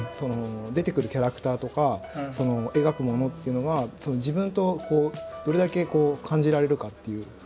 出てくるキャラクターとか描くものっていうのは自分とどれだけ感じられるかっていう。